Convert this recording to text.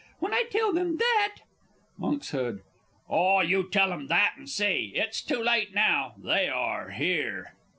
When I tell them that Monks. Ah, you tell 'em that, and see. It's too late now they are here!